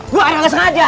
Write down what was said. gua ada ga sengaja